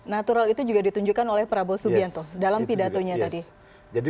natural itu juga ditunjukkan oleh prabowo subianto dalam pidatonya tadi